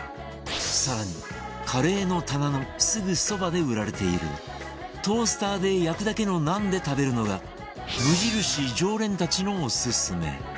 更にカレーの棚のすぐそばで売られているトースターで焼くだけのナンで食べるのが無印常連たちのオススメ